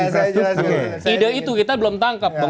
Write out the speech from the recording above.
ide itu kita belum tangkap